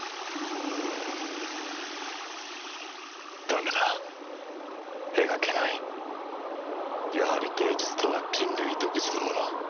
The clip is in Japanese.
ダメだ描けないやはり芸術とは人類独自のもの